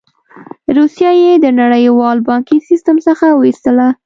روسیه یې د نړیوال بانکي سیستم څخه وویستله.